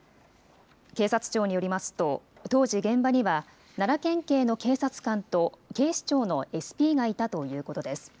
警察庁によりますと、当時、現場には、奈良県警の警察官と警視庁のＳＰがいたということです。